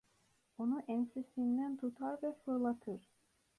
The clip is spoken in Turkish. Onu ensesinden tutar ve fırlatır.